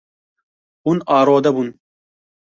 Hûn arode bûn.